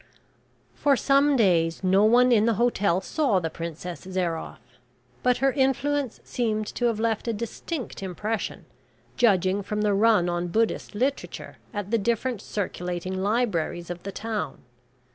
For some days no one in the hotel saw the Princess Zairoff. But her influence seemed to have left a distinct impression, judging from the run on Buddhist literature at the different circulating libraries of the town.